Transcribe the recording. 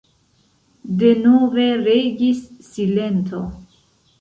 Denove regis silento.